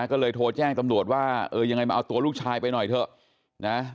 ก็เลยโทรแจ้งตำรวจว่าเออยังไงมาเอาตัวลูกชายไปหน่อยเถอะนะ